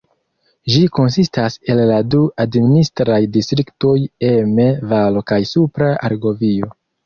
Ĝi konsistas el la du administraj distriktoj Emme-Valo kaj Supra Argovio.